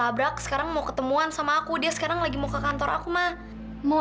padahal kalau orang lagi selingkuhan